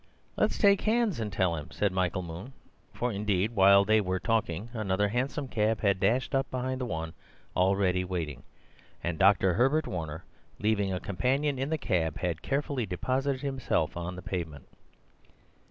"Let's take hands and tell him," said Michael Moon. For indeed, while they were talking, another hansom cab had dashed up behind the one already waiting, and Dr. Herbert Warner, leaving a companion in the cab, had carefully deposited himself on the pavement.